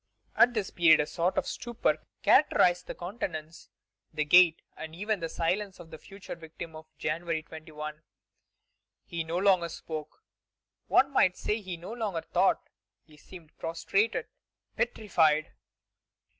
At this period a sort of stupor characterized the countenance, the gait, and even the silence of the future victim of January 21. He no longer spoke; one might say he no longer thought. He seemed prostrated, petrified.